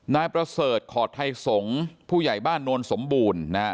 นายประเสริฐขอดไทยสงศ์ผู้ใหญ่บ้านโนนสมบูรณ์นะฮะ